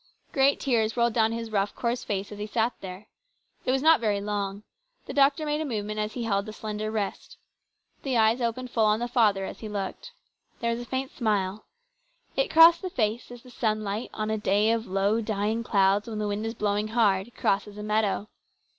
Great tears rolled down his rough, coarse face as he sat there. It was not very long. The doctor made a movement as he held the slender wrist. The eyes opened full on the father as he looked. There was a faint smile. It crossed the face as the sunlight, on a clay of low dying clouds when the wind is blowing hard, crosses a meadow.